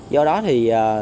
do đó thì